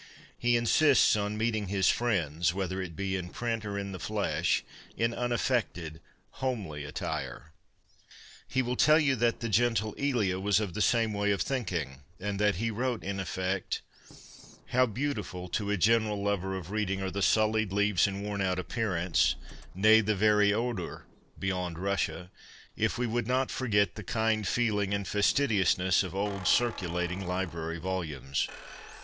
He insists on meeting his friends, whether it be in print or in the flesh, in unaffected, homely attire. He will tell you that the ' gentle Elia ' was of 38 CONFESSIONS OF A BOOK LOVER the same way of thinking, and that he wrote in effect :' How beautiful to a genuine lover of reading are the sullied leaves and worn out appearance, nay, the very odour (beyond Russia) if we would not forget the kind feeling in fastidiousness, of old circulating library volumes!